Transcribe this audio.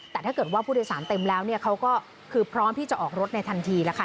แต่ถ้าเกิดว่าผู้โดยสารเต็มแล้วเนี่ยเขาก็คือพร้อมที่จะออกรถในทันทีแล้วค่ะ